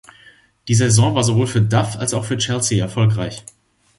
Die Saison war sowohl für Duff als auch für Chelsea erfolgreich.